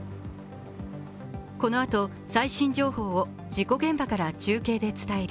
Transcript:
このあと、最新情報を事故現場から中継で伝える。